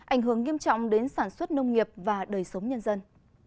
ảnh hưởng nghiêm trọng đến sản xuất nông nghiệp và đời sống nhân dân